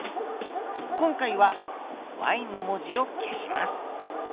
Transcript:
今回はの文字を消します。